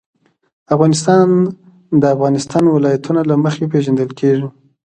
افغانستان د د افغانستان ولايتونه له مخې پېژندل کېږي.